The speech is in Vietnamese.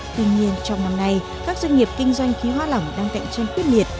tuy nhiên trong năm nay các doanh nghiệp kinh doanh khí hoa lỏng đang cạnh tranh quyết liệt